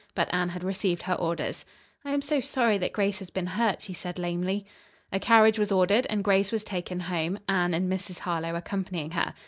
But Anne had received her orders. "I am so sorry that Grace has been hurt," she said lamely. A carriage was ordered and Grace was taken home, Anne and Mrs. Harlowe accompanying her.